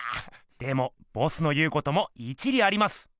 でもボスの言うことも一理あります。